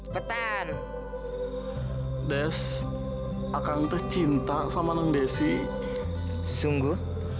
petan des akan tercinta sama non desi sungguh